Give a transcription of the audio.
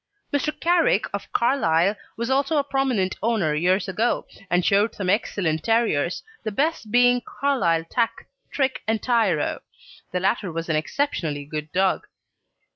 Mr. Carrick, of Carlisle, was also a prominent owner years ago, and showed some excellent terriers, the best being Carlisle Tack, Trick, and Tyro. The latter was an exceptionally good dog.